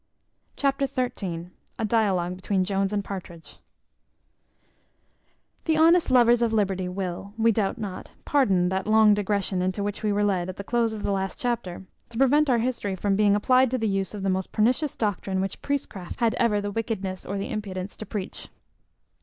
Chapter xiii. A dialogue between Jones and Partridge. The honest lovers of liberty will, we doubt not, pardon that long digression into which we were led at the close of the last chapter, to prevent our history from being applied to the use of the most pernicious doctrine which priestcraft had ever the wickedness or the impudence to preach.